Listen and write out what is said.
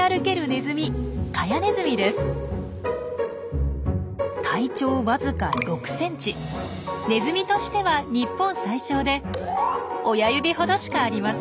ネズミとしては日本最小で親指ほどしかありません。